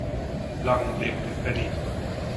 Lang lebt in Berlin.